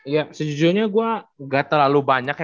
ya sejujurnya gue gak terlalu banyak ya